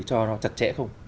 cho nó chặt chẽ không